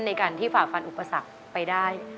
ในการที่ฝ่าฟันอุปสรรคไปได้